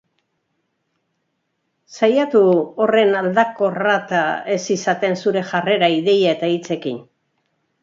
Saiatu horren aldakorra ez izaten zure jarrera, ideia eta hitzekin.